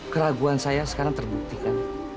keraguan saya sekarang terbuktikan